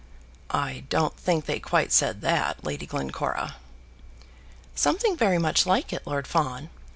"I don't think they quite said that, Lady Glencora." "Something very much like it, Lord Fawn.